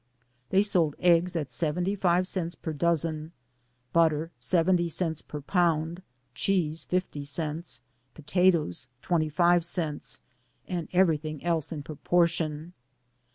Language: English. They sold eggs at seventy five 238 . DAYS ON THE ROAD. cents per dozen, butter seventy cents per pound, cheese fifty cents, potatoes twenty five cents, and everything else in proportion.